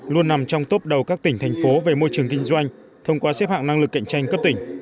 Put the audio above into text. luôn nằm trong tốp đầu các tỉnh thành phố về môi trường kinh doanh thông qua xếp hạng năng lực cạnh tranh cấp tỉnh